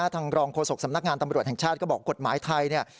ทางรองโฆษกสำนักงานตำรวจแห่งชาติก็บอกกฎหมายไทยเนี่ย